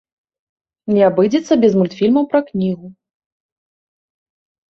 Не абыдзецца без мультфільмаў пра кнігу.